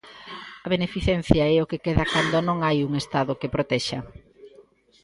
A beneficencia é o que queda cando non hai un Estado que protexa.